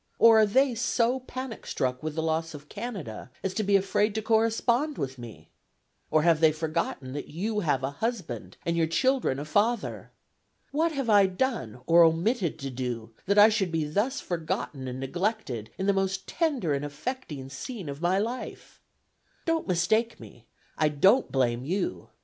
Or are they so panic struck with the loss of Canada as to be afraid to correspond with me? Or have they forgotten that you have a husband, and your children a father? What have I done, or omitted to do, that I should be thus forgotten and neglected in the most tender and affecting scene of my life? Don't mistake me. I don't blame you.